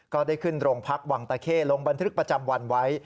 ก็ได้ขึ้นโรงพักวังตะเข้ลงบันทึกประจำวันไว้